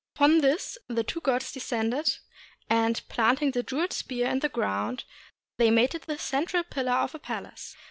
Upon this the two gods descended, and, planting the jeweled spear in the ground, they made it the central pillar of a palace.